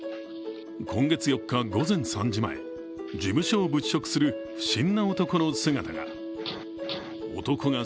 今月４日午前３時前事務所を物色する不審な男の姿が。